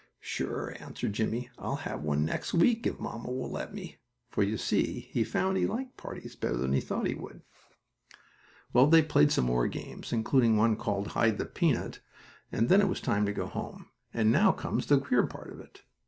"Sure," answered Jimmie. "I'll have one next week, if mamma will let me," for you see he found he liked parties better than he thought he would. Well, they played some more games, including one called hide the peanut, and then it was time to go home; and now comes the queer part of it.